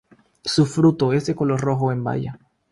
Su fruto es de color rojo, en baya.